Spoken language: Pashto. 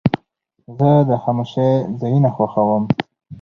زه د خاموشۍ ځایونه خوښوم.